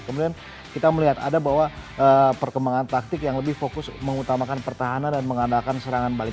kemudian kita melihat ada bahwa perkembangan taktik yang lebih fokus mengutamakan pertahanan dan mengandalkan serangan balik